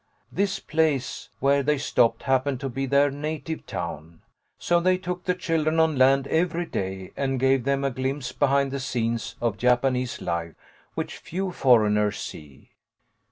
This place where they stopped happened to be their native town, so they took the children on land every day and gave them a glimpse behind the scenes of Japan ese life, which few foreigners see.